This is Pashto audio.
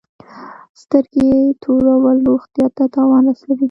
سترګي تورول روغتیا ته تاوان رسوي.